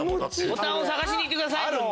ボタンを探しに行ってください。